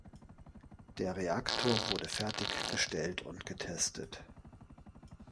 Der Reaktor wurde fertiggestellt und getestet.